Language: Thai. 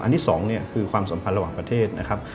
ที่๒คือความสัมพันธ์ระหว่างประเทศนะครับ